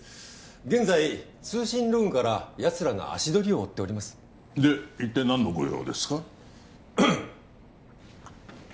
現在通信ログからやつらの足取りを追っておりますで一体何のご用ですか？